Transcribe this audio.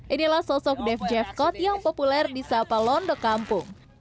inilah sosok dave jeffcott yang populer di sapa londo kampung